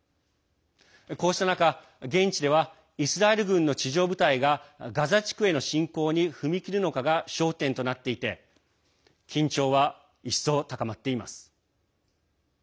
こうした中、現地ではイスラエル軍の地上部隊がガザ地区への侵攻に踏み切るのかが焦点となっていて緊張は一層、高まっています。